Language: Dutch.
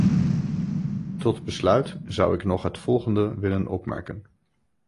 Tot besluit zou ik nog het volgende willen opmerken.